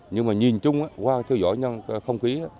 nhưng mà nhìn chung qua cho giỏi không khí